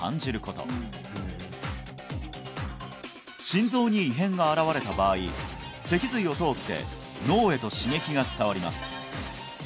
心臓に異変が現れた場合脊髄を通って脳へと刺激が伝わります